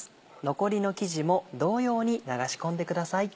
残りの生地も同様に流し込んでください。